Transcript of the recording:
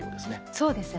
そうですね。